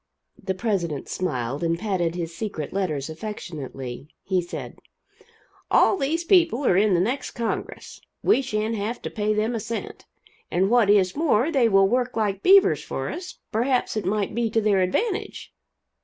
The president smiled, and patted his secret letters affectionately. He said: "All these people are in the next Congress. We shan't have to pay them a cent. And what is more, they will work like beavers for us perhaps it might be to their advantage."